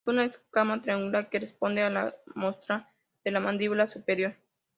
Es una escama triangular que corresponde a la rostral de la mandíbula superior.